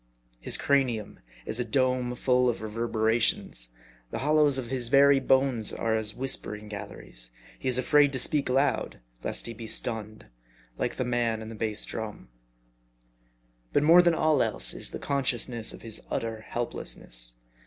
His cranium is a dome full of reverberations. The hollows of his very bones are as whispering galleries. He is afraid to speak loud, lest he be stunned ; like the man in the bass drum. But more than all else is the consciousness of his utter helplessness.